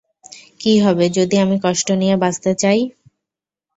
কি হবে যদি আমি কষ্ট নিয়ে বাঁচতে চাই?